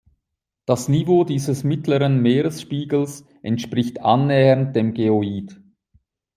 Das Niveau dieses mittleren Meeresspiegels entspricht annähernd dem Geoid.